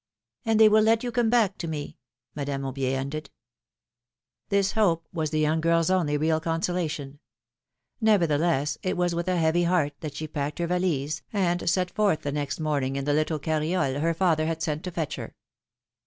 — And they will let you come back to me!" Madame Aubier ended. This hope was the young girl's only real consolation. Nevertheless, it was with a heavy heart that she packed her valise, and set forth the next morning in the little carriole her father had sent to fetch her.